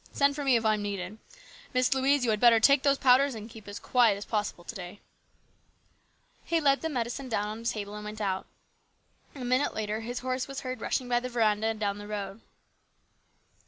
Send for me if I am needed. THE GREAT STRIKE. 23 Miss Louise, you had better take those powders and keep as quiet as possible to day." He laid the medicine down on a table and went out. A minute later his horse was heard rushing by the veranda and down the road.